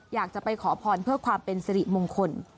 อยากจะไปขอพรเพื่อความเป็นสิริมงคล